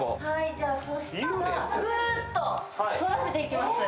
じゃあそしたらぐっと反らせていきます。